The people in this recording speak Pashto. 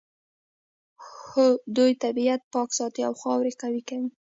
هو دوی طبیعت پاک ساتي او خاوره قوي کوي